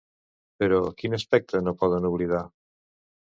Però, quin aspecte no poden oblidar?